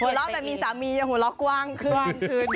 เราแบบมีสามีอย่าหัวเราะกว้างขึ้น